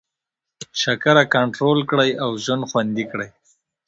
شکره کنټرول کړئ او ژوند خوندي کړئ.